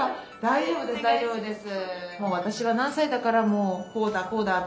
大丈夫です。